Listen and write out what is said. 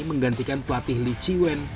menggantikan pelatih li qiwen